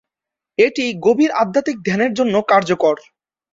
এটি গভীর আধ্যাত্মিক ধ্যানের জন্য কার্যকর।